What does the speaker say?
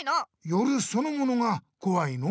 夜そのものがこわいの？